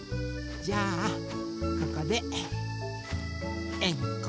じゃあここでえんこっしょ。